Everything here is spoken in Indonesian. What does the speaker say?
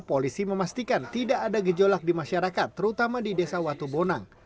polisi memastikan tidak ada gejolak di masyarakat terutama di desa watubonang